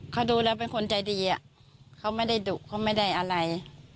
เขาดูแล้วเป็นคนใจดีอะเขาไม่ได้ดุเขาไม่ได้อะไร